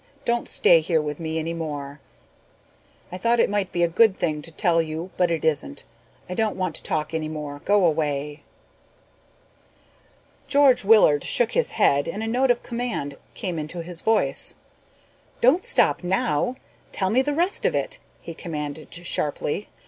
"Don't stay here with me any more. I thought it might be a good thing to tell you but it isn't. I don't want to talk any more. Go away." George Willard shook his head and a note of command came into his voice. "Don't stop now. Tell me the rest of it," he commanded sharply.